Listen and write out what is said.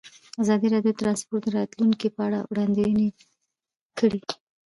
ازادي راډیو د ترانسپورټ د راتلونکې په اړه وړاندوینې کړې.